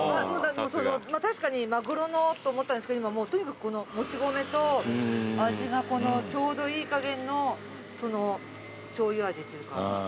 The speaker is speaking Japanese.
確かにマグロのと思ったんですけどとにかくこのもち米と味がちょうどいい加減のしょうゆ味っていうか。